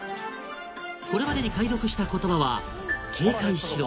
これまでに解読した言葉は「警戒しろ！」